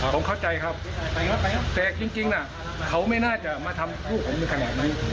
ผมเข้าใจครับแต่จริงน่ะเขาไม่น่าจะมาทำพวกผมขนาดนี้